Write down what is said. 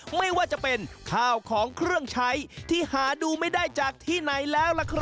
ไม่ว่าจะเป็นข้าวของเครื่องใช้ที่หาดูไม่ได้จากที่ไหนแล้วล่ะครับ